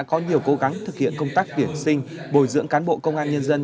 và các đơn vị địa phương đã có nhiều cố gắng thực hiện công tác tuyển sinh bồi dưỡng cán bộ công an nhân dân